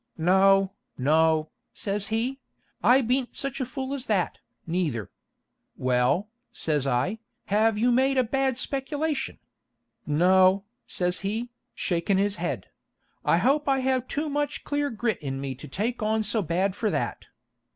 'No, no,' says he; 'I beant such a fool as that, neither.' 'Well,' says I, 'have you made a bad speculation?' 'No,' says he, shakin' his head, 'I hope I have too much clear grit in me to take on so bad for that.'